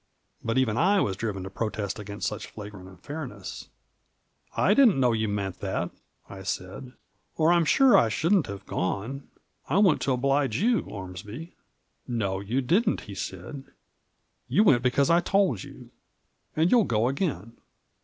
But even I was driven to protest against such fiagrant unfairness. "I didn't know you meant that," I said, " or I'm sure I shouldn't have gone. I went to oblige you, Ormsby." "No, you didn't," he said, "you went because I told you. And you'll go again."